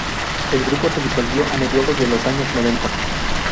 El grupo se disolvió a mediados de los años noventa.